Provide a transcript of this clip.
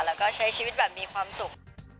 แล้วก็ใช้ชีวิตแบบมีความสุข